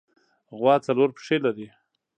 غوا څلور پښې لري.